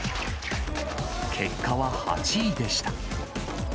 結果は８位でした。